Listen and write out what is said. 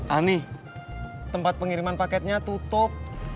ani tempat pengiriman paketnya tutup